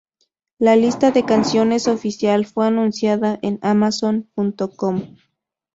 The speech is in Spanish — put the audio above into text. La lista de canciones oficial fue anunciada en Amazon.com.